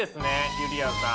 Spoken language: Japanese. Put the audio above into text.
ゆりやんさん。